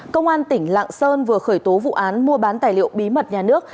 công an tỉnh lạng sơn vừa khởi tố vụ án mua bán tài liệu bí mật nhà nước